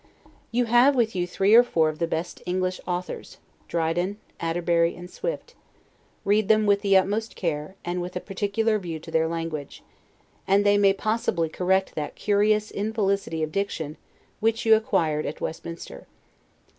You have with you three or four of the best English authors, Dryden, Atterbury, and Swift; read them with the utmost care, and with a particular view to their language, and they may possibly correct that CURIOUS INFELICITY OF DICTION, which you acquired at Westminster.